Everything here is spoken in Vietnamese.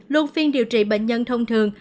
luôn phiên điều trị bệnh nhân thông thường